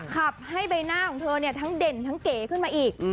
ขับให้ใบหน้าของเธอเนี่ยทั้งเด่นทั้งเก๋ขึ้นมาอีก